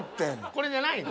これじゃないの？